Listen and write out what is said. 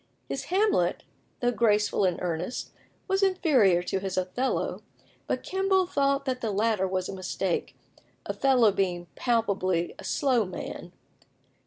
His Hamlet, though graceful and earnest, was inferior to his Othello; but Kemble thought that the latter was a mistake, Othello being palpably "a slow man."